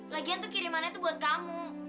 lagian tuh kirimannya tuh buat kamu